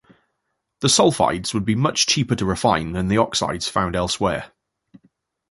The sulphides would be much cheaper to refine than the oxides found elsewhere.